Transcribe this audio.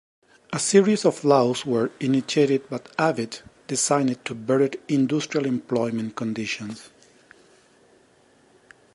A series of laws were initiated by Abbett, designed to better industrial employment conditions.